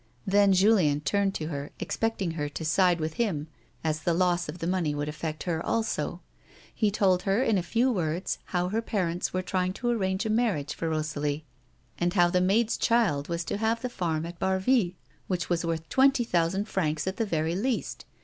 Then Julien turned to her, expecting her to side with him, as the loss of the money would affect her also. He told her in a few words how her parents were trying to arrange a marriage for Kosalie, and how the maid's child was to have the farm at Barville, which was worth twenty thousand francs at the very least.